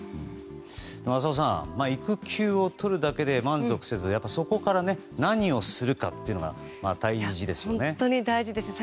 浅尾さん、育休を取ることで満足せず、そこから何をするかというのが大事ですよね。